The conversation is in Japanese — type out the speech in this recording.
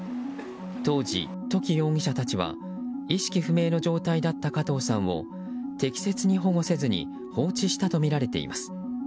当時、土岐容疑者たちは意識不明の状態だった加藤さんを適切に保護せずに放置したとみられています。